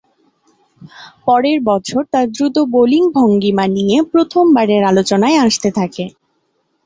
পরের বছর তার দ্রুত বোলিং ভঙ্গীমা নিয়ে প্রথমবারের আলোচনায় আসতে থাকে।